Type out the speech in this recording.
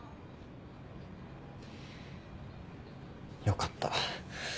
よかった。